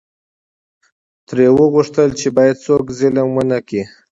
ترې وې غوښتل چې باید څوک ظلم ونکړي.